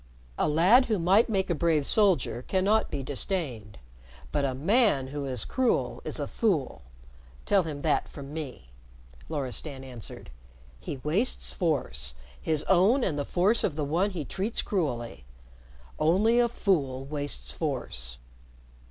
"A lad who might make a brave soldier cannot be disdained, but a man who is cruel is a fool. Tell him that from me," Loristan answered. "He wastes force his own and the force of the one he treats cruelly. Only a fool wastes force."